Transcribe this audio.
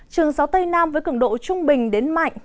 trường gió tây nam với cứng độ trung bình đến mạnh